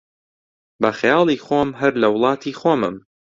بە خەیاڵی خۆم، هەر لە وڵاتی خۆمم